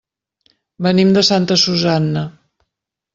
Venim de Santa Susanna.